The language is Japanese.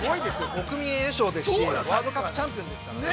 国民栄誉賞ですし、ワールドカップチャンピオンですからね。